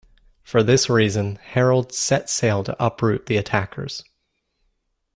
For this reason Harald set sail to uproot the attackers.